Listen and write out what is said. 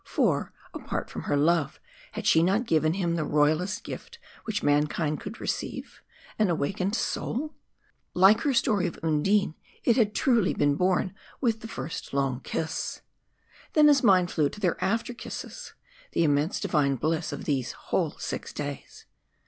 For, apart from her love, had she not given him the royalest gift which mankind could receive an awakened soul? Like her story of Undine it had truly been born with that first long kiss. Then his mind flew to their after kisses, the immense divine bliss of these whole six days.